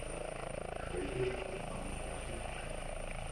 佢幾乎喊咗出嚟